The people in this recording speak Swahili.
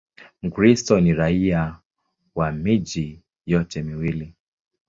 Mkristo ni raia wa miji yote miwili.